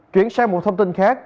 chuyển sang một thông tin khác